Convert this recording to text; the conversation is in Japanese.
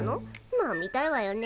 まあ見たいわよね。